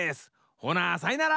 ほなさいなら！